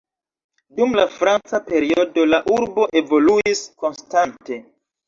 Dum la franca periodo la urbo evoluis konstante.